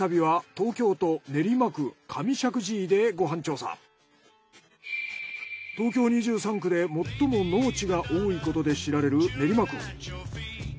東京２３区で最も農地が多いことで知られる練馬区。